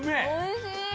おいしい。